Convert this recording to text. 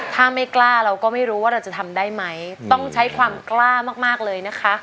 ถ้าไม่กล้าเราก็ไม่รู้ว่าเราจะทำได้ไหมต้องใช้ความกล้ามากเลยนะคะ